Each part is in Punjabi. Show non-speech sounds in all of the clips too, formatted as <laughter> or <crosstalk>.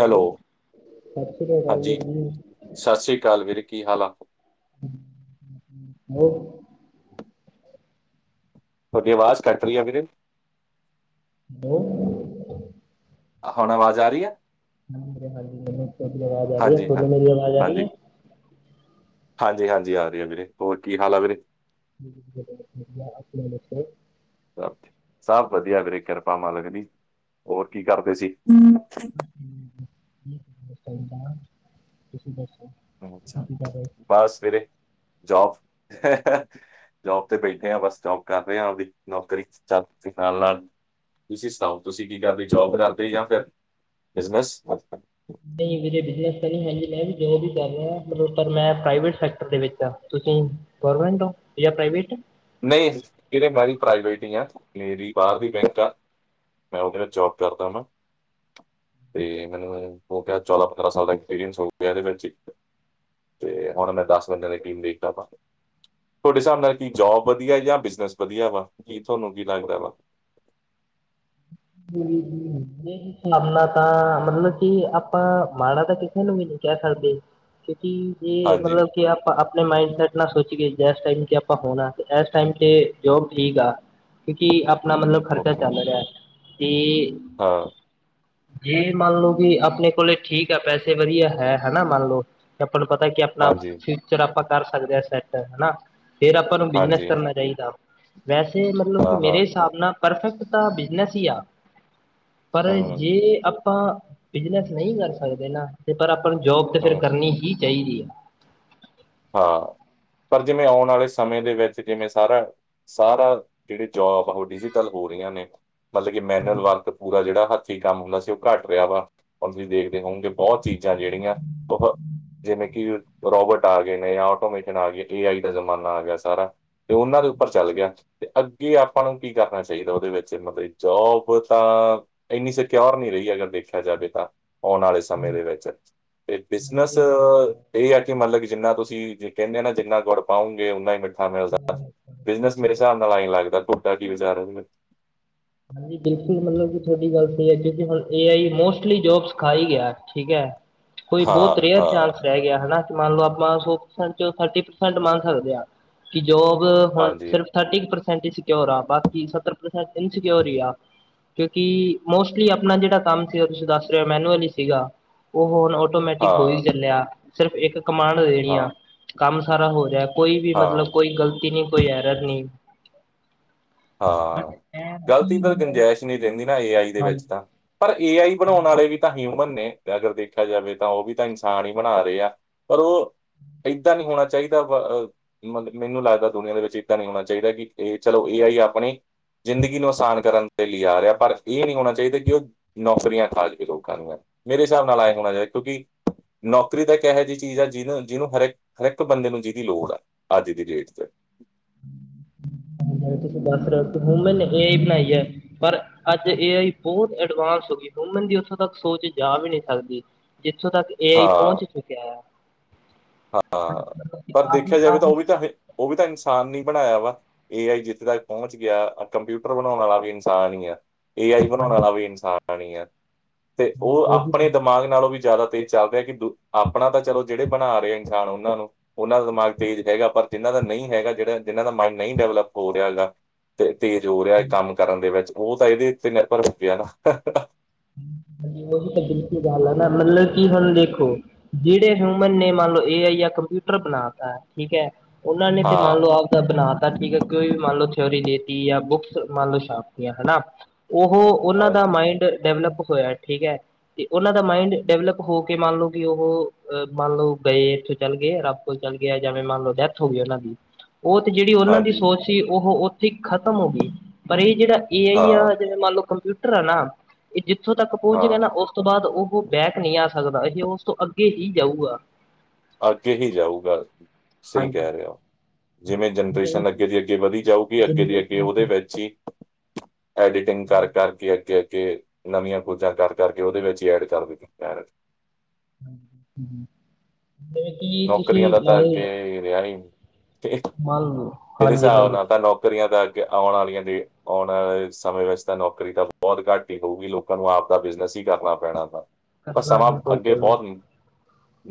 ਹੈਲੋ ਸਤਿ ਸ਼੍ਰੀ ਅਕਾਲ ਹਾਂਜੀ ਵੀਰ ਜੀ ਸਤਿ ਸ੍ਰੀ ਅਕਾਲ ਵੀਰ ਕੀ ਹਾਲ ਆ? ਹੋ। ਤੁਹਾਡੀ ਆਵਾਜ਼ ਕੱਟ ਰਹੀ ਆ ਵੀਰੇ। ਹੈ। ਹੁਣ ਆਵਾਜ਼ ਆ ਰਹੀ ਹੈ। ਹ ਮੇ ਆਵਾਜ਼ ਆ ਰਹੀ ਹਾਂਜੀ ਹੈ ਹਾਂਜੀ ਮੇਰੀ ਆਵਾਜ਼ ਆ ਰਹੀ ਹਾਂਜੀ ਹੈ? ਹਾਂਜੀ ਹਾਂਜੀ ਆ ਰਹੀ ਹੈ ਵੀਰੇ ਹੋਰ ਕੀ ਹਾਲ ਆ ਵੀਰੇ? ਆਪਣੇ ਭ ਸਭ ਵਧੀਆ ਵੀਰੇ ਕਿਰਪਾ ਮਾਲਕ ਦੀ ਹੋਰ ਕੀ ਕਰਦੇ ਸੀ। ਹਮ। ਦਾ ਤੁਸੀਂ ਦੱਸੋ? ਅ ਚ ਕੀ ਕਰ ਰਹੇ ਸੀ ਬਸ ਸਵੇਰੇ ਜੋਬ ਜੋਬ ਤੇ ਬੈਠੇ ਹਾਂ ਬਸ ਜੋਬ ਕਰ ਰਹੇ ਹਾਂ ਉਹਦੀ ਨੌਕਰੀ ਚ ਨਾਲ ਨਾਲ ਤੁਸੀਂ ਸੁਣਾਓ ਤੁਸੀਂ ਕੀ ਕਰਦੇ ਜੋਬ ਕਰਦੇ ਜਾਂ ਫਿਰ ਬਿਜਨ ਨਹੀਂ ਮਰੇ ਬਿਜਨਸ ਤਾਂ ਨਹੀਂ ਹੈਗੀ। ਮੈਂ ਵੀ ਜੋਬ ਹੀ ਕਰ ਰਿਹਾ ਮਤਲਬ ਮੈਂ ਪ੍ਰਾਈਵੇਟ ਸੈਕਟਰ ਦੇ ਵਿੱਚ ਆ ਤੁਸੀਂ ਗੌਰਮੈਂਟ ਹੋ ਜਾਂ ਪ੍ਰਾਈਵੇਟ? ਨਹੀਂ ਜਹੜੇ ਮੈਂਰੀ ਪ੍ਰਾਈਵੇਟ ਹੀ ਆ ਮੇਰੀ ਬਾਹਰ ਦੀ ਬੈਂਕ ਆ। ਮੈਂ ਉਹਦੇ ਨਾਲ ਜੋਬ ਕਰਦਾ ਵਾਂ। ਤੇ ਮੈਨੂੰ ਉਹ ਕਿਹਾ ਚੋਦਾਂ ਪੰਦਰਾਂ ਸਾਲ ਦਾ ਐਕਸਪੀਰੀਅੰਸ ਹੋ ਗਿਆ ਇਹਦੇ ਵਿੱਚ ਤੇ ਹੁਣ ਮੈਂ ਦਸ ਬੰਦਿਆਂ ਦੀ ਟੀਮ ਦੇਖਤਾ ਆਪਾਵੇ ਤੁਹਾਡੇ ਹਿਸਾਬ ਨਾਲ ਕੀ ਜੋਬ ਵਧੀਆ ਜਾਂ ਬਿਜਨਸ ਵਧੀਆ ਵਾ ਕੀ ਤੁਹਾਨੂੰ ਕੀ ਲੱਗਦਾ ਵਾ। ਇਹ ਹਿਸਾਬ ਨਾਲ ਤਾਂ ਮਤਲਬ ਕਿ ਆਪਾਂ ਮਾੜਾ ਤਾਂ ਕਿਸੇ ਨੂੰ ਵੀ ਨੀ ਕਹਿ ਸਕਦੇ ਕਿਉਂਕਿ ਇਹ ਹਾਂਜੀ ਮਤਲਬ ਕਿ ਆਪਾਂ ਆਪਣੇ ਮਾਇਡ ਸੈਟ ਨਾਲ ਸੋਚ ਗਏ। ਜ ਟਾਈਮ ਤੇ ਆਪਾਂ ਹੋਣਾ ਇਸ ਟਾਈਮ ਤੇ ਜੋਬ ਠੀਕ ਆ ਕਿਉਂਕਿ ਆਪਣਾ ਮਤਲਬ ਖਰਚਾ ਓਕੇ ਚੱਲ ਰਿਹਾ ਤੇ ਹਾਂ ਜੇ ਮੰਨ ਲਓ ਕਿ ਆਪਣੇ ਕੋਲੇ ਠੀਕ ਆ ਪੈਸੇ ਵਧੀਆ ਹੈ ਹਨਾ ਮੰਨ ਲਓ ਆਪਾਂ ਨੂੰ ਪਤਾ ਕੀ ਆਪਣਾ ਹਾਂਜੀ ਫਿਊਚਰ ਆਪਾਂ ਕਰ ਸਕਦੇ ਹਾਂ ਸੈਟ ਹਨਾ। ਫੇਿਰ ਆਪਾਂ ਨੂੰ ਬਿਜਨਸ ਹਾਂਜੀ ਕਰਨਾ ਚਾਹੀਦਾ ਵੈਸੇ ਮਤਲਬ ਕਿ ਹਾਂ ਹਾਂ ਮੇਰੇ ਹਿਸਾਬ ਨਾਲ ਪਰਫੈਕਟ ਤਾਂ ਬਿਜਨੈਸ ਹੀ ਆ ਪਰ ਹੂੰ ਜੇ ਅ ਆਪਾਂ ਬਿਜਨਸ ਨਹੀਂ ਕਰ ਸਕਦੇ ਨਾ ਤੇ ਪਰ ਆਪਾਂ ਨੂੰ ਜੋਬ ਤੇ ਫਰ ਹੂੰ ਕਰਨੀ ਹੀ ਜਾਈ ਦੀ। ਹਾਂ। ਪਰ ਜਿਵੇਂ ਆਉਣ ਵਾਲੇ ਸਮੇਂ ਦੇ ਵਿੱਚ ਜਿਵੇਂ ਸਾਰਾ ਸਾਰਾ ਜਿਹੜੇ ਜੋਬ ਆ ਉਹ ਡਿਜੀਟਲ ਹੋ। ਹੋ ਰਹੀਆਂ ਨੇ ਮਤਲਬ ਕਿ ਮੈਨੂਅਲ ਵਰਕ ਪੂਰਾ ਜਿਹੜਾ ਹੱਥੀਂ ਕੰਮ ਹੁੰਦਾ ਸੀ ਉਹ ਘੱਟ ਰਿਹਾ ਵਾ ਹੁਣ ਤੁਸੀਂ ਦੇਖਦੇ ਹੋਗੇ ਬਹੁਤ ਚੀਜ਼ਾਂ ਜਿਹੜੀਆਂ ਬ ਜਿਵੇਂ ਕਿ ਰੋਬਰਟ ਆ ਗਏ ਨੇ ਜਾਂ ਆਟੋਮੇਟ ਆ ਏ ਆਈ ਦਾ ਜ਼ਮਾਨਾ ਆ ਗਿਆ ਸਾਰਾ ਤੇ ਉਹਨਾਂ ਦੇ ਉੱਪਰ ਚੱਲ ਗਿਆ ਤੇ ਅੱਗੇ ਕਿ ਆਪਾਂ ਨੂੰ ਕੀ ਕਰਨਾ ਚਾਹੀਦਾ ਉਹਦੇ ਵਿੱਚ ਮਤਲਬ ਜੋਬ ਤਾਂ ਇੰਨੀ ਸਕਿਓਰ ਨਹੀਂੀ ਰਹੀ ਅਗਰ ਦੇਖ ਦੇਖਿਆ ਜਾਵੇ ਤਾਂ, ਆਉਣ ਆਲੇ ਹਾਂ ਸਮੇਂ ਦੇ ਵਿੱਚ ਇਹ ਹਾਂਜੀ ਬਿਜਨਸ ਗੱਲ ਤਾਂ ਹੈ। ਇਹ ਏ ਕਿ ਮਤਲਬ ਕਿ ਜਿੰਨਾ ਤੁਸੀਂ ਜੇ ਕਹਿੰਦੇ ਨਾ ਜਿੰਨਾ ਗੁੜ ਪਾਉਂਗੇ ਔਨਾ ਹੀ ਮਿਠ <unintelligible> ਬਿਜ਼ਨਸ ਮੇਰੇ ਹਿਸਾਬ ਨਾਲ ਏਹੀ ਲੱਗਦਾ। ਤੁਹਡਾ ਕੀ ਵਿਚਾਰ ਹੈ? ਹਾਂਜੀ ਬਿਲਕੁਲ ਮਤਲਬ ਕਿ, ਤੁਹਾਡੀ ਗੱਲ ਸਹੀ ਹੈ। <unintelligible> ਏ ਆਈ ਮੋਸਟਲੀ ਜੌਬਜ਼ ਖਾ ਈ ਗਯਾ, ਠੀਕ ਏ। ਕੋਈ ਬੋਤ ਹਾਂ ਰੇਅਰ ਹਾਂ ਚਾਂਸ ਰਹਿ ਗਯਾ ਹੈ ਨਾ? ਮੰਨ ਲੋ ਆਪਾਂ ਸੌ ਪ੍ਰਸੈਂਟ ਥੱਟੀ ਪ੍ਰਸੈਂਟ ਮੰਨ ਸਕਦੇ ਹਾਂ। ਕੀ ਜੋਬ ਹੁਣ ਹਾਂਜੀ ਸਿਰਫ ਥਰਟੀ ਪ੍ਰਸੈਂਟ ਈ ਸਿਕਿਓਰ ਆ, ਬਾਕੀ ਸੱਤਰ ਪ੍ਰਸੈਂਟ ਇੰਸਕਿਓਰ ਈ ਆ। ਕਿਉਂਕਿ ਮੋਸਟਲੀ ਅਪਨਾ ਜਿਹੜਾ ਕੰਮ ਸੀ ਔ ਤੁਸੀਂ ਦੱਸ ਰਹੇ ਹੋ, ਮੈਨੂਅਲ ਹੀ ਸੀਗਾ, ਔ ਹੋਰ ਆਟੋਮੈਟਿਕ ਹੋ ਈ ਹਾਂ ਚੱਲਿਆ ਸਿਰਫ ਇੱਕ ਕਮਾਂਡ ਦੇਣੀ ਆ ਹਾਂ ਕੰਮ ਸਾਰਾ ਹੋ ਜਾ ਕੋਈ ਵੀ ਮਤਲਬ ਹਾਂ ਕੋਈ ਗ਼ਲਤੀ ਨੀ, ਕੋਈ ਏਰਰ ਨੀ। ਹਾਂ, ਗ਼ਲਤੀ ਤਾਂ ਮਤਲਬ ਗੰਜਾਇਸ਼ ਨਹੀਂ ਰਹਿੰਦੀ ਨਾ ਏਆਈ ਦੇ ਹਾਂਜੀ ਵਿੱਚ ਤਾਂ ਪਰ ਏ ਆਈ ਬਣਾਉਣ ਹਾਂਜੀ ਵਾਲੇ ਵੀ ਤਾਂ ਹਿਊਮਨ ਨੇ। ਅਗਰ ਦੇਖਿਆ ਜਾਵੇ ਤਾਂ ਉਹ ਵੀ ਤਾਂ ਇਨਸਾਨ ਹੀ ਬਣਾ ਰਹੇ ਆ ਪਰ ਉਹ। ਏਦਾਂ ਨਹੀਂ ਹੋਣਾ ਚਾਹੀਦਾ ਵ ਮ ਮੈਨੂੰ ਲੱਗਦਾ ਦੁਨੀਆਂ ਦੇ ਵਿੱਚ ਏਦਾਂ ਨਹੀਂ ਹੋਣਾ ਚਾਹੀਦਾ ਕਿ ਇਹ ਚਲੋ ਇਹ ਆਈ ਆਪ। ਆਪਣੇ ਜ਼ਿੰਦਗੀ ਨੂੰ ਆਸਾਨ ਕਰਨ ਦੇ ਲਈ ਆ ਰਿਹਾ ਪਰ ਇਹ ਨਹੀਂ ਹੋਣਾ ਚਾਹੀਦਾ ਕਿ ਉਹ ਨੌਕਰੀਆਂ ਖਾ ਜਾਵੇਂ ਲੋਕਾਂ ਦੀਆਂ। ਮੇਰੇ ਹਿਸਾਬ ਨਾਲ ਐ ਹੋਣਾ ਚਾਹੀਦਾ ਕਿਉਂਕਿ। ਨੌਕਰੀ ਤਾਂ ਇੱਕ ਇਹੋ ਜਿਹੀ ਚੀਜ਼ ਆ ਜਿਹਨੂੰ -ਜਿਹਨੂੰ, ਹਰਿੱਕ- ਹਰਿੱਕ ਬੰਦੇ ਨੂੰ ਜੀ ਦੀ ਲੋੜ ਆਂ ਅੱਜ ਦੀ ਡੇਟ ਚ। <unintelligible> ਹਾਂਜੀ-ਹਾਂਜੀ ਤੁਸੀਂ ਦੱਸ ਰਹੇ ਹੋ ਵੂਮੈਨ ਨੇ ਏ ਆਈ ਬਣਾਈ ਏ ਪਰ ਅੱਜ ਏ ਆਈ ਬਹੁਤ ਐਡਵਾਂਸ। ਦੱਸੋ ਕੀ ਹੁਮਨ ਦੀ ਉੱਥੋਂ ਤੱਕ ਸੋਚ ਜਾ ਵੀ ਨਹੀਂ ਸਕਦੀ ਜਿੱਥੋਂ ਤੱਕ ਏ ਆਈ ਹਾਂ ਪਹੁੰਚ ਚੁੱਕਿਆ ਏ। ਹਾਂ ਪਰ ਆਹੀ ਦੇਖਿਆ ਜਾਵੇ ਤਾਂ ਆਹੀ ਉਹ ਵੀ ਤਾਂ ਹੈ, ਉਹ ਵੀ ਤਾਂ ਇਨਸਾਨ ਨੀਂ। ਬਣਾਇਆ ਵਾ ਏ ਆਈ ਜਿੱਥੇ ਤੱਕ ਪਹੁੰਚ ਗਿਆ ਕੰਪਿਊਟਰ ਬਣਾਉਣ ਆਲਾ ਵੀ ਇਨਸਾਨ ਹੀ ਆ। ਏ ਆਈ ਬਣਾਉਣ ਵਾਲਾ ਵੀ ਇਨਸਾਨ ਈ ਆਂ ਹੈ ਤੇ ਉਹ ਉਹੀ ਆਪਣੇ ਦਿਮਾਗ ਨਾਲੋਂ ਵੀ ਜ਼ਿਆਦਾ। ਚੱਲ ਰਿਹਾ ਕਿ ਦ ਆਪਣਾ ਤਾਂ ਚਲੋ ਜਿਹੜੇ ਬਣਾ ਰਹੇ। ਇਨਸਾਨ ਉਹਨਾਂ ਨੂੰ ਉਹਨਾਂ ਦਾ ਦਿਮਾਗ ਤੇਜ਼ ਹੈਗਾ ਪਰ ਜਿਹਨਾਂ ਦਾ ਨਹੀਂ ਹੈਗਾ ਜਿਹੜਾ ਜਿਨਾਂ ਦਾ ਮਾਇੰਡ ਨਹੀਂ ਡਿਵਲਪ ਹੋ ਰਿਹਾ ਹੈਗਾ । ਤੇ ਤੇਜ਼ ਹੋ ਰਿਹਾ ਕੰਮ ਕਰਨ ਦੇ ਵਿੱਚ ਉਹ ਤਾਂ ਇਹਦੇ ਤੇ ਨਿਰਭਰ ਹੋ ਪਿਆ ਨਾ। ਹਮ। ਹਾਂਜੀ ਉਹ ਵੀ ਤਾਂ ਬਿਲਕੁਲ ਗੱਲ ਹੈ ਨਾ ਮਤਲਬ ਕਿ ਹੁਣ ਦੇਖੋ ਜਿਹੜੇ ਹਿਊਮਨ ਨੇ ਮੰਨ ਲਓ ਇਹ ਆ। ਕੰਪਿਊਟਰ ਬਣਾਤਾ ਹੈ ਠੀਕ ਹੈ। ਉਹਨਾਂ ਨੇ ਤੇ ਮੰਨ ਲਓ ਹਾਂ ਆਪਦਾ ਬਣਾ ਤਾ ਠੀਕ ਹੈ ਕੋਈ ਵੀ ਮੰਨ ਲਓ ਥਿਓਰੀ ਦੇ। ਜਾਂ ਬੁੱਕਸ ਮੰਨ ਲਓ ਛਾਪਦੀਆਂ ਹਨਾ ਉਹ ਉਹਨਾਂ ਦਾ ਹਾਂਜੀ ਮਾਇੰਡ। ਡਲਪ ਹੋਇਆ ਠੀਕ ਹੈ ਤੇ ਉਹਨਾਂ ਦਾ ਮਾਇੰਡ ਡਿਵਲਪ ਹੋ ਕੇ ਮੰਨ ਲਓ ਕਿ ਉਹ ਮੰਨ ਲਓ ਗਏ। ਇੱਥੋਂ ਚੱਲ ਗਏ ਰੱਬ ਕੋਲ ਚੱਲ ਗਿਆ ਜਵੇਂ ਮੰਨ ਲਓ ਡੈਥ ਹੋ ਗਈ ਉਹਨਾਂ ਦੀ। ਉਹ ਤੇ ਜਿਹੜੀ ਉਹਨਾਂ ਦੀ ਹਾਂਜੀ ਸੋਚ ਸੀ ਉਹ ਓਥੇ ਖਤਮ ਹੋਗੀ ਪਰ ਏ ਜੇੜਾ ਏਹ ਅਈ ਆ ਹਾਂ ਤੇ ਮਾਨ ਲੋ ਕੰਪਿਊਟਰ ਆ ਨਾ, ਐ ਜਿਥੋਂ ਤੱਕ ਪਹੁੰਚ ਰਯਾ ਹਾਂ ਨਾ ਓਸ ਤੋਂ ਬਾਅਦ ਓ ਉਹ ਬੈਕ ਨਹੀਂ ਆ ਸਕਦਾ, ਏਹ ਤੇ ਓਸ ਤੋਂ ਅੱਗੇ ਵੀ ਜਾਊਗਾ। ਅੱਗੇ ਹੀ ਜਾਊਗਾ। ਸਹੀ ਹਾਂਜੀ ਕਹ ਰੇ ਓ, ਜਿਵੇਂ ਜਿਵੇਂ ਜੇਨਰੇਸ਼ਨ ਕਿ ਅੱਗੇ ਦੀ ਅੱਗੇ ਵਧੀ ਜਾਊ ਵੀ ਅੱਗੇ ਦੀ ਅੱਗੇ ਉਹਦੇ ਵਿੱਚ ਹੀ ਐਡੀਟਿੰਗ ਕਰ ਕਰਕੇ ਅੱਗੇ ਕੇ ਨਵੀਆਂ ਕੋੋਜਾਂ ਕਰ ਕਰਕੇ ਉਹਦੇ ਵਿੱਚ ਹੀ ਐਡ ਕਰ ਦਿੱ ਜਿਵੇਂ ਕਿ ਤੁਸੀਂ ਨੌਕਰੀਆਂ ਦਾ ਤਾਂ ਮਨ ਅੱਗੇ ਲੋ ਮਾਨ ਲੋ ਮੇਰੇ ਹਿਸਾਬ ਨਾ ਤਾਂ ਨੌਕਰੀ ਤਾਂ ਅੱਗੇ ਆਉਣ ਵਾਲੀਆਂ ਦੇ, ਆਉਣ ਵਾਲੇ ਸਮੇਂ ਵਿੱਚ ਤਾਂ ਨੌਕਰੀ ਤਾਂ ਬੋਤ ਘੱਟ ਹੀ ਹੋਊਗੀ ਲੋਕਾਂ ਨੂੰ ਆਪਦਾ ਬਿਜਨਸ ਹੀ ਕਰਨਾ ਪੈਣਾ ਵਾ, ਪਰ ਕਰਨਾ ਸਮਾਂ ਹੀ ਅੱਗੇ ਪਊਗਾ ਜੀ ਬੋਤ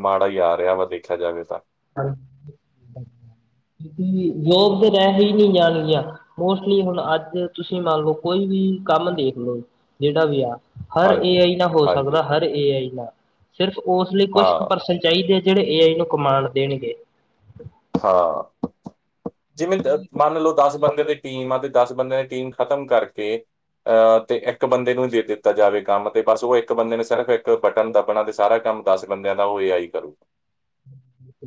ਮਾੜਾ ਹੀ ਆ ਰਿਹਾ ਵਾ ਦੇਖਿਆ ਜਾਵੇ ਤਾਂ। <unintelligible> ਜੋਬ ਤਾਂ ਰਹਿ ਹੀ ਨਹੀਂ ਜਾਣਗੀਆਂ। ਮੋਸਟਲੀ, ਹੁਣ ਅੱਜ ਤੁਸੀਂ ਮੰਨ ਲਓ! ਕੋਈ ਵੀ ਕੰਮ ਦੇਖ ਲਓ! ਜਿਹੜਾ ਵੀ ਆ ਹਰ ਏ ਹਾਂਜੀ ਆਈ ਨਾਲ ਹੋ ਹਾਂਜੀ ਸਕਦਾ। ਹਰ ਏ ਆਈ ਨਾਲ ਸਿਰਫ ਉਸ ਲਈ ਕੁਛ ਹਾਂ ਕੁ ਪਰਸਨ ਚਾਹੀਦੇ ਆ ।ਜਿਹੜੇ ਏ ਆਈ ਨੂੰ ਕਮਾਂਡ ਦੇਣਗੇ। ਹਾਂ! ਜਿਵੇਂ ਮੰਨ ਲਓ ਦਸ ਬੰਦੇ ਦੀ ਟੀਮ ਅਤੇ ਦਸ ਬੰਦਿਆਂ ਦੀ ਟੀਮ ਖ਼ਤਮ ਕਰਕੇ ਅਹ ਤੇ ਇੱਕ ਬੰਦੇ ਨੂੰ ਹੀ ਦੇ ਦਿੱਤਾ ਏ ਅ ਤੇ ਇਕ ਬੰਦੇ ਨੂੰ ਦਿੱਤਾ ਜਾਵੇ ।ਕੰਮ ਤੇ ਬਸ ਉਹ ਇੱਕ ਬੰਦੇ ਨੇ ਸਿਰਫ ਇੱਕ ਬਟਨ ਦੱਬਣਾ ਤੇ ਸਾਰਾ ਕੰਮ ਦੱਸ ਬੰਦਿਆਂ ਦਾ ਉਹਏ ਆਈ ਕਰੂ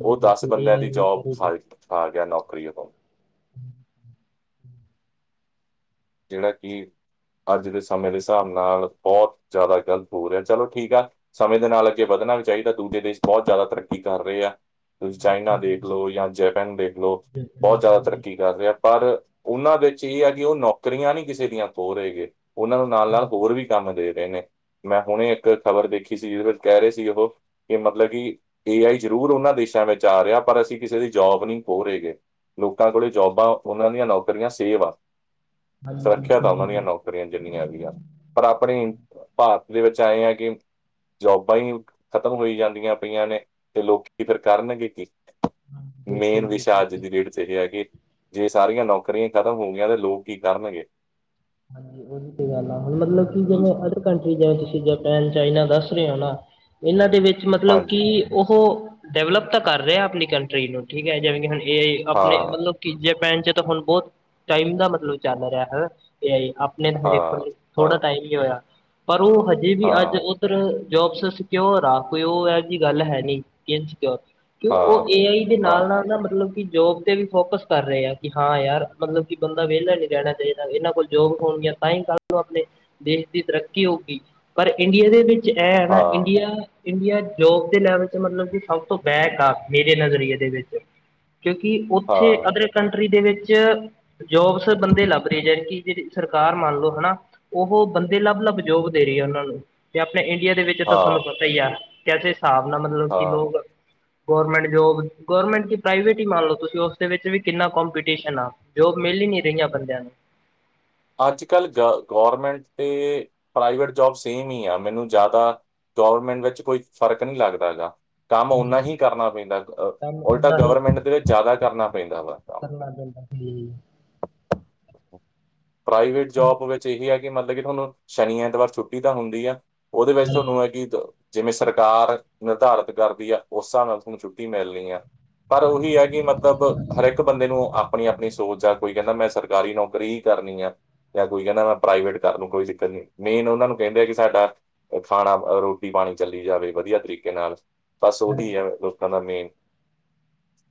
ਉਹ ਦਸ ਬੰਦਿਆਂ ਦੀ ਜੋਬ ਕਰੇਗਾ ਫਾਰ ਗਿਆ ਨੌਕਰੀ ਹੋ ਜਿਹੜਾ ਕਿ ਅੱਜ ਦੇ ਸਮੇਂ ਦੇ ਹਿਸਾਬ ਨਾਲ ਬਹੁਤ ਜ਼ਿਆਦਾ ਗ਼ਲਤ ਹੋ ਰਿਹਾ ।ਚਲੋ, ਠੀਕ ਆ ਸਮੇਂ ਦੇ ਨਾਲ ਅੱਗੇ ਵਧ ਕਰਨਾ ਵੀ ਚਾਹੀਦਾ। ਦੂਜੇ ਦੇਸ਼ ਬਹੁਤ ਜ਼ਿਆਦਾ ਤਰੱਕੀ ਕਰ ਰਹੇ ਆ। ਤੁਂ ਚਾਈਨਾ ਦੇਖ ਲਓ। ਜਾਂ ਜੈਪੈਨ ਦੇਖ ਲਓ। ਬਿਲਕੁਲ ਬਹੁਤ ਜ਼ਿਆਦਾ ਹਾਂਜੀ ਤਰੱਕੀ ਕਰ ਰਿਹਾ ਪਰ ਉਹਨਾਂ ਵਿੱਚ ਇਹ ਆ ਕਿ ਉਹ ਉਨ੍ਹਾਂ ਉਨ੍ਹਾਂ ਵਿੱਚ ਏ ਨੌਕਰੀਆਂ ਨਹੀਂ ਕਿਸੇ ਦੀਆਂ ਖੋ ਰਹੇ। ਉਹਨਾਂ ਨੂੰ ਨਾਲ ਨਾਲ ਹਾਂਜੀ ਹੋਰ ਵੀ ਕੰਮ ਦੇ ਏਨੇ ਮੈਂ ਹੁਣੇ ਇੱਕ ਖ਼ਬਰ ਦੇਖੀ ਸੀ। ਜਿਹਦੇ ਵਿੱਚ ਕਹਿ ਰਹੇ ਸੀ। ਉਹ ਕਿ ਮਤਲਬ ਕਿ' ਏ ਆਈ ਜ਼ਰੂਰ ਉਹਨਾਂ ਦੇਸ਼ਾਂ ਤੇ ਵਿੱਚ ਆ ਰਿਹਾ। ਪਰ ਅਸੀਂ ਕਿਸੇ ਦੀ ਜੋਬ ਨਹੀਂ ਖੋਹ ਰਹੇ ਹੈਗੇ। ਲੋਕਾਂ ਕੋਲ ਜੋਬਾਂ ਉਹਨਾਂ ਦੀਆਂ ਨੌਕਰੀਆਂ ਸੇਵ ਆ ਸੁਰੱਖਿਆ ਬਿਲਕੁਲ ਤਾਂ ਜੀ ਉਹਨਾਂ ਦੀਆਂ ਬਿਲਕੁਲ ਨੌਕਰੀਆਂ, ਜਿੰਨੀਆਂ ਹੈਗੀਆਂ। ਪਰ ਆਪਣੀ ਭਾਰਤ ਦੇ ਵਿੱਚ ਆਏ ਐਂ ਗੇ ਜੋਬਾਂ ਹੀ ਖਤਮ ਹੋਈ ਜਾਂਦੀਆਂ ਪਈਆਂ ਨੇ ।ਤੇ ਲੋਕੀ ਫਿਰ ਕਰਨਗੇ ਕੀ। ਹਾਂਜੀ ਬਿਲਕੁਲ ਮੇਨ ਜੀ ਵਿਸ਼ਾ ਅੱਜ ਬਿਲਕੁਲ ਦੀ ਡੇਟ ਚ ਇਹ ਹੈ। ਕਿ ਜੇ ਸਾਰੀਆਂ ਨੌਕਰੀਆਂ ਖਤਮ ਹੋ ਗਈਆਂ ਤੇ ਲੋਕ ਕੀ ਕਰਨਗੇ? ਹਾਂਜੀ, ਉਹਦੀ ਤੇ ਗੱਲ ਆ। ਹੁਣ ਮਤਲਬ ਕਿ ਜਿਵੇਂ ਅੰਦਰ ਕੰਟਰੀ ਜਿਵੇਂ ਤੁਸੀਂ ਜਪੈਨ ਚਾਈਨਾ ਦੱਸ ਨਿਆਲਾ, ਇਹਨਾਂ ਦੇ ਵਿੱਚ ਮਤਲਬ ਕਿ ਹਾਂਜੀ ਉਹ ਡਿਵਲਪ ਤਾਂ ਕਰ ਰਿਹਾ ਆਪਣੀ ਕੰਟਰੀ ਨੂੰ, ਠੀਕ ਹੈ ।ਜਿਵੇਂ ਕਿ ਹੁਣ ਇਹ ਆਪਣੇ ਹਾਂ ਮਤਲਬ ਕਿ ਜੇ ਪੈਣ ਚ, ਤਾਂ ਹੁਣ ਬਹੁਤ ਟਾਈਮ ਦਾ ਮਤਲਬ ਚੱਲ ਰਿਹਾ ਹੈ ।ਇਹ ਆ ਆਪਣੇ ਹਜੇ ਹਾਂ ਹਾਂ ਥੋੜਾ ਟਾਈਮ ਹੀ ਹੋਇਆ। ਪਰ ਉਹ ਹਜੇ ਹਾਂ ਵੀ ਅੱਜ ਹਾਂ ਉੱਧਰ ਜੋਬਸ ਸਕਿਓਰ ਆ, ਕੋਈ ਉਹ ਇਹੋ ਜਹੀ ਗੱਲ ਹੈ। ਨਹੀਂ ਇਨਸਿਕਿਓਰ ਕਿ ਉਹ ਹਾਂ ਏ ਆਈ ਦੇ ਨਾਲ- ਨਾਲ ਨਾ ਮਤਲਬ ਕਿ ਜੋਬ ਤੇ ਵੀ ਫੋਕਸ ਕਰ ਰਹੇ ਆ। ਕਿ ਹਾਂ, ਯਾਰ ਮਤਲਬ ਕਿ ਬੰਦਾ ਵਿਹਲਾ ਨੀ ਰਹਿਣਾ ਚਾਹੀਦਾ ।ਇਹਨਾਂ ਕੋਲ ਜੋਬਹੋਣਗੀਆਂ ਤਾਂ ਹੀ, ਕੱਲ੍ਹ ਨੂੰ ਆਪਣੇ ਦੇਸ਼ ਦੀ ਤਰੱਕੀ ਹੋਊਗੀ। ਪਰ ਇੰਡੀਆ ਦੇ ਵਿੱਚ ਐ ਹਾਂ ਨਾ ਇੰਡੀਆ। ਇੰਡੀਆ ਜੋਬ ਦੇ ਲੈਵਲ ਚ, ਮਤਲਬ ਕਿ ਸਭ ਤੋਂ ਬੈਕ ਆ ਮੇਰੇ ਨਜ਼ਰੀਏ ਦੇ ਵਿੱਚ ਕਿਉ ਕਿ ਹਾਂ ਉੱਥੇ ਅਦਰ ਹਾਂ ਕੰਟਰੀ ਦੇ ਵਿੱਚ ਜੋਬਸ ਬੰਦੇ ਲੱਭ ਰਹੇ ਜਾ ਕਿ ਜਿਹੜੀ ਸਰਕਾਰ ਮੰਨ ਲਓ ਹਨਾ। ਉਹ ਬੰਦੇ ਲੱਭ -ਲੱਭ ਜੋਬ ਦੇ ਰਹੀ ਹੈ। ਉਹਨਾਂ ਨੂੰ ਤੇ ਆਪਣੇ ਇੰਡੀਆ ਦੇ ਵਿੱਚ ਤਾਂ ਤੁਹਾਨੂੰ ਪਤਾ ਹੀ ਆ ।ਕੈੇਸੇ ਹਿਸਾਬ ਨਾਲ ਮਤਲਬ ਕਿ ਹਾਂ ਲੋਕ ਗੌਰਰਮੈਂਟ ਜੋਬ, ਗੌਰਰਮੈਂਟ ਕਿ ਪ੍ਰਾਈਵੇਟ ਹੀ ਮੰਨ ਲਓ ਤੁਸੀਂ। ਉਸਦੇ ਵਿੱਚ ਵੀ ਕਿੰਨਾ ਕੰਪੀਟੀਸ਼ਨ ਆ। ਜੋਬ ਮਿਲੀ ਨੀ ਰਹੀਆਂ ਬੰਦਿਆਂ ਨੂੰ ਅੱਜ -ਕੱਲ੍ਹ ਗ ਗੌਰਮੈਂਟ ਤੇ ਪ੍ਰਾਈਵੇਟ ਜੋਬ ਸੇਮ ਹੀ ਆ ਮੈਨੂੰ ਜ਼ਿਆਦਾ ਗਵੌਰਮੈਂਟ ਵਿੱਚ ਕੋਈ ਫ਼ਰਕ ਨਹੀ ਲੱਗਦਾ ਹੈ ਗਾ। ਕੰਮ ਹਾਂਜੀ, ਓਨਾ ਹੀ ਕਰਨਾ ਪੈਂਦਾ ਕੰਮ ।ਉਲਟਾ ਓਨਾ ਹੀ ਗਵਰਮੈਂਟ ਦੇ ਵਿੱਚ ਜ਼ਿਆਦਾ ਕਰਨਾ ਪੈਂਦਾ ਵਾ ਕੰਮ ਕਰਨਾ ਪੈਂਦਾ ਠੀ ਪ੍ਰਾਈਵੇਟ ਜੋਬ ਵਿੱਚ ਇਹੀ ਹੈ। ਕਿ ਮਤਲਬ ਕਿ ਤੁਹਾਨੂੰ ਸ਼ਨੀ ਐਤਵਾਰ ਛੁੱਟੀ ਤਾਂ ਹੁੰਦੀ ਆ ਉਹਦੇ ਵਿੱਚ ਹਾਂਜੀ ਤੁਹਾਨੂੰ ਹੈ ।ਕਿ ਜਿਵੇਂ ਸਰਕਾਰ ਨਿਰਧਾਰਤ ਕਰਦੀ ਆ ਉਸ ਹਿਸਾਬ ਨਾਲ ਤੁਹਾਨੂੰ ਛੁੱਟੀ ਮਿਲਣੀ ਆ ਪਰ ਉਹੀ ਹੈ ਹਾਂਜੀ। ਕਿ ਮਤਲਬ ਹਰ ਇੱਕ ਬੰਦੇ ਨੂੰ ਆਪਣੀ -ਆਪਣੀ ਸੋਚ ਜਾਂ ਕੋਈ ਕਹਿੰਦਾ ਮੈਂ ਸਰ ਸਰਕਾਰੀ ਨੌਕਰੀ ਹੀ ਕਰਨੀ ਹੈ। ਜਾਂ ਕੋਈ ਕਹਿੰਦਾ ਮੈਂ ਪ੍ਰਾਈਵੇਟ ਨੂੰ ਕੋਈ ਦਿੱਕਤ ਨੀ ਮੇਨ ਉਹਨਾਂ ਨੂੰ ਕਹਿੰਦੇ ਆ ਕਿ ਸਾਡਾ ਖਾਣਾ ਰੋਟੀ ਪਾ ਪਾਣੀ ਚੱਲੀ ਜਾਵੇ ।ਵਧੀਆ ਤਰੀਕੇ ਨਾਲ, ਬਸ ਉਹੀ ਹੈ। ਲੋਕਾਂ ਦਾ ਮੇਨ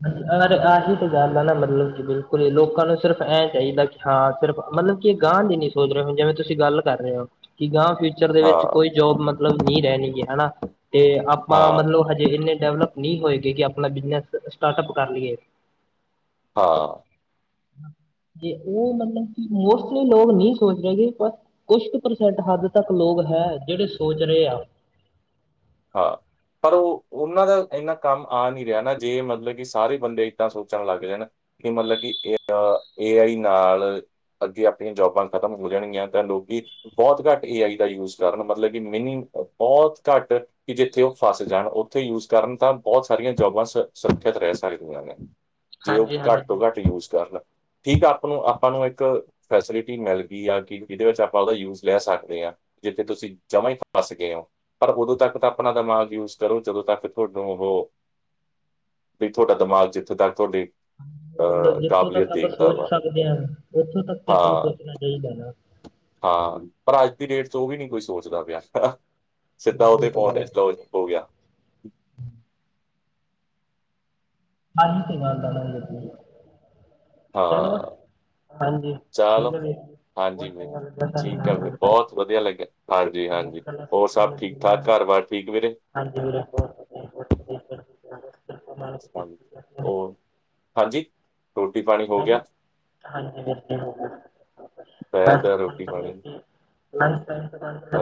ਅ ਆਹੀ ਤਾਂ ਗੱਲ ਆ ਨਾ ਮਤਲਬ ਕਿ ਬਿਲਕੁਲ ਹੀ ਲੋਕਾਂ ਨੂੰ ਸਿਰਫ ਐ ਚਾਹੀਦਾ ਕਿ ਹਾਂ ਸਿਰਫ ਮਤਲਬ ਕਿ ਇਹ ਗਾਂਹ ਦੀ ਨੀ ਸੋਚ ਰਹੇ ਹੁਣ, ਜਿਵੇਂ ਤੁਸੀਂ ਗੱਲ ਕਰ ਰਹੇ ਹੋ ਕਿ ਗਾਂਹ ਫਿਊਚਰ ਦੇ ਵਿੱਚ ਕੋਈ ਹਾਂ ਜੋਬ ਮਤਲਬ ਨਹੀ ਰਹਿਣੀ ਹੈ ਹਨਾ, ਤੇ ਆਪਾਂ ਹਾਂ ਮਤਲਬ ਹਜੇ ਇੰਨੇ ਡਿਵਲਪ ਨਹੀਂ ਹੋਏਗੀ ਕਿ ਆਪਣਾ ਬਿਜਨਸ ਸਟਾਰਟਅਪ ਕਰ ਲਈਏ ਹਾਂ ਹਮ ਜੇ ਉਹ ਮਤਲਬ ਕਿ ਮੋਸਟਲੀ ਲੋਕ ਨਹੀਂ ਸੋਚ ਰਹੇ ਪਰ ਕੁਛ ਕੁ ਪ੍ਰਸੈਂਟ ਹੱਦ ਤੱਕ ਲੋਕ ਹੈ ਜਿਹੜੇ ਸੋਚ ਰਹੇ ਆ ਹਾਂ ਪਰ ਉਹ ਉਹਨਾਂ ਦਾ ਇੰਨਾ ਕੰਮ ਆ ਨਹੀਂ ਰਿਹਾ ਨਾ ਜੇ ਮਤਲਬ ਕਿ ਸਾਰੇ ਬੰਦੇ ਇੱਦਾਂ ਸੋਚਣ ਲੱਗ ਜਾਣ ਮਤਲਬ ਕਿ ਇਹ ਏ ਆਈ ਨਾਲ ਅੱਗੇ ਆਪਣੀਆਂ ਜੋਬਾਂ ਖ਼ਤਮ ਹੋ ਜਾਣਗੀਆਂ ਤਾਂ ਲੋਕ ਬਹੁਤ ਘੱਟ ਏ ਆਈ ਦਾ ਯੂਜ ਕਰਨ ਮਤਲਬ ਕਿ ਮਿਨੀ ਬਹੁਤ ਘੱਟ ਕਿ ਜਿੱਥੇ ਉਹ ਫਸ ਜਾਣ ਉੱਥੇ ਯੂਜ ਕਰਨ ਤਾਂ ਬਹੁਤ ਸਾਰੀਆਂ ਜੋਬਾਂ ਸ ਸੁਰੱਖਿਅਤ ਰਹਿ ਸਕਦੀਆਂ ਨੇ। ਜੇ ਉਹ ਹਾਂਜੀ ਹਾਂਜੀ ਘੱਟ ਤੋਂ ਘੱਟ ਯੂਜ ਕਰਨ ਠੀਕ ਆਪਾਂ ਨੂੰ ਆਪਾਂ ਨੂੰ ਇੱਕ ਫੈਸਿਲਿਟੀ ਮਿਲ ਗਈ ਆ ਕਿ ਜਿਹਦੇ ਵਿੱਚ ਆਪਾਂ ਉਹਦਾ ਯੂਜ ਲੈ ਸਕਦੇ ਹਾਂ। ਜਿੱਥੇ ਤੁਸੀਂ ਜਮਾ ਹੀ ਫਸ ਗਏ ਹੋ ਪਰ ਉਦੋਂ ਤੱਕ ਤਾਂ ਆਪਣਾ ਦਿਮਾਗ਼ ਯੂਜ ਕਰੋ ਜਦੋਂ ਤਾਂ ਕਰੋ ਤੁਹਾਡੂ ਵੀ ਤੁਹਾਡਾ ਦਿਮਾਗ ਜਿੱਥੋਂ ਤੱਕ ਤੁਹਾਡੀ ਮਤਲਬ ਅਹ, ਜਿੱਥੋਂ ਤੱਕ ਕਾਬਲੀਅਤ ਆਪਾਂ ਦੇਖਦਾ ਸੋਚ ਵਾ ਸਕਦੇ ਹਾਂ, ਉੱਥੋਂ ਤੱਕ ਆਪਾਂ ਨੂੰ ਹਾਂ ਸੋਚਣਾ ਚਾਹੀਦਾ ਨਾ। ਹਾਂ, ਪਰ ਅੱਜ ਦੀ ਡੇਟ ਚ ਉਹ ਵੀ ਨਹੀ ਕੋਈ ਸੋਚਦਾ ਪਿਆ। ਸਿੱਧਾ ਉੱਥੇ ਇਹ ਤਾਂ ਪਹੁੰਚਿਆ ਗੱਲ ਹੈ ਇਸਦਾ ਉਹ ਚ ਹੋ ਗਿਆ ਆਹੀ ਤੇ ਗੱਲ ਆ ਹਾਂ ਹਾਂਜੀ, ਠੀਕ ਚਲੋ ਹੈ ਫੇਰ। ਹਾਂਜੀ, ਮੈਨੂੰ ਠੀਕ ਆ ਫੇਰ। ਬਹੁਤ ਵਧੀਆ ਲੱਗਿਆ, ਹਾਂਜੀ- ਬਹੁਤ ਹਾਂਜੀ ਗੱਲਾਂ ਹੋਰ ਸਿੱਖਣ ਸਭ ਨੂੰ ਠੀਕ ਮਿਲੀਆਂ ਠਾਕ ਘਰ ਵ ਬਸ ਠੀਕ ਵੀੇਰੇ ਹਾਂਜੀ, ਵੀਰੇ ਬਹੁਤ ਵਧਿਆ, ਕਿਰਪਾ ਮਹਾਰਾਜ ਦੀ। ਹੋਰ, ਹਾਂਜੀ। ਰੋਟੀ-ਪਾਣੀ ਹੋ ਗਿਆ? ਹਾਂਜੀ <inaudible> ਦੁਪਹਿਰ ਦਾ ਰੋਟੀ-ਪਾਣੀ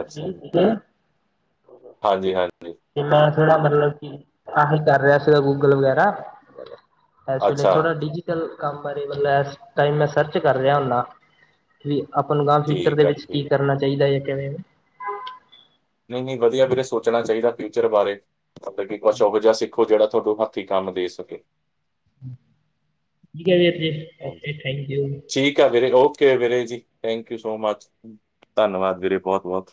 ਅੱਛਾ ਜੀ, ਹਾਂਜੀ-ਹਾਂਜੀ ਤੇ ਮੈਂ ਥੋੜਾ ਮਤਲਬ ਕੀ ਅਹੀ ਕਰ ਰਿਹਾ ਸੀਗਾ ਗੂਗਲ ਵਗੈਰਾ <unintelligible> ਅੱਛਾ, ਥੋੜਾ ਡਿਜੀਿਟਲ ਬਾਰੇ ਮਤਲਬ ਇਸ ਟਾਈਮ ਮੈਂ ਸਰਚ ਕਰ ਰਿਹਾ ਹੁੰਨਾ ਵੀ ਆਪਾਂ ਨੂੰ ਗ ਫਿਊਚਰ ਠੀਕ ਦੇ ਆ, ਵਿੱਚ ਕੀ ਠੀਕ ਆ। ਕਰਨਾ ਚਾਹੀਦਾ ਹੈ ਕਿਵੇਂ ਨਹੀ-ਨਹੀ ਵਧੀਆ ਚਲੋ ਵੀਰੇ ਸੋਚਣਾ ਚਾਹੀਦਾ ਫਿਊਚਰ ਬਾਰੇ ਮਤਲਬ ਕਿ ਕੁਛ ਉਹੋ ਜਿਹਾ ਸਿੱਖੋ ਜਿਹੜਾ ਉਦੋਂ ਹੱਥੀਂ ਕੰਮ ਦੇ ਸਕੇ। <unintelligible> Thank you. ਓ ਕੇ ਵੀਰੇ ਜੀ ਥੈਂਕ ਯੂ ਸੋ ਮਚ ਧੰਨਵਾਦ ਵੀਰੇ ਬਹੁਤ-ਬਹੁਤ।